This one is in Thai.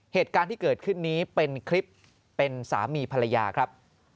เหตุการณ์ที่เกิดขึ้นนี้เป็นคลิปเป็นสามีภรรยาครับ